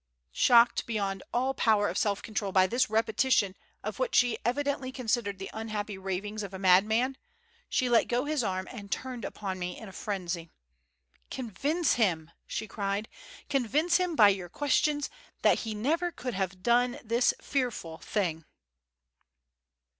Shocked beyond all power of self control by this repetition of what she evidently considered the unhappy ravings of a madman, she let go his arm and turned upon me in frenzy. "Convince him!" she cried. "Convince him by your questions that he never could have done this fearful thing."